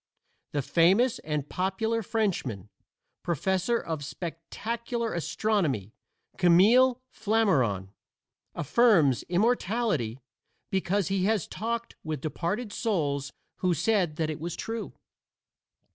The famous and popular Frenchman, Professor of Spectacular Astronomy, Camille Flammarion, affirms immortality because he has talked with departed souls who said that it was true.